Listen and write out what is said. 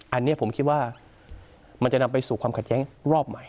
อันนี้ผมคิดว่ามันจะนำไปสู่ความขัดแย้งรอบใหม่